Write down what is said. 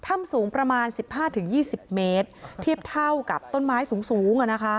ถ้ำสูงประมาณสิบห้าถึงยี่สิบเมตรเทียบเท่ากับต้นไม้สูง